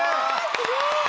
すごい。